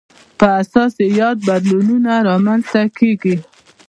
پر اساس یې یاد بدلونونه رامنځته کېږي.